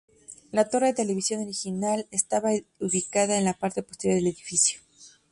La torre de televisión original estaba ubicada en la parte posterior del edificio.